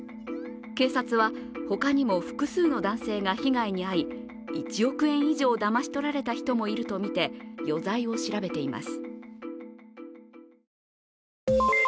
警察は、他にも複数の男性が被害に遭い１億円以上だまし取られた人もいるとみて余罪を調べています。